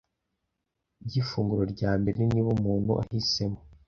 by’ifunguro rya mbere. Niba umuntu ahisemo